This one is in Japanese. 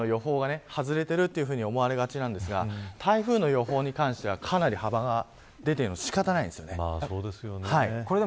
これ、どうしても予報が外れているというふうに思われがちですが台風の予報に関してはかなり幅が出ているのでは仕方ないんです。